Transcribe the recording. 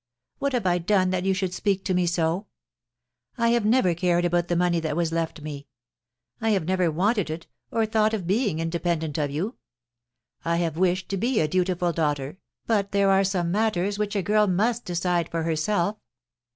* What have I done that you should speak to me so ? I have never cared about the money that was left me. I have never wanted it, or thought of being independent of you. I have wished to be a dutiful daughter, but there are some matters which a girl must decide for herself.